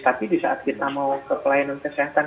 tapi di saat kita mau ke pelayanan kesehatan